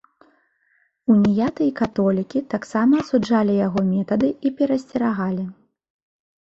Уніяты і католікі таксама асуджалі яго метады і перасцерагалі.